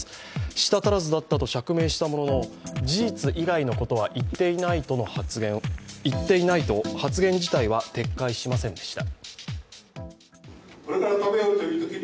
舌足らずだったと釈明したものの、事実以外のことは言っていないと発言自体は撤回しませんでした。